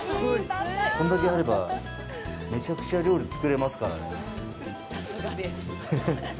これだけあれば、めちゃくちゃ料理、作れますからね。ハハハ。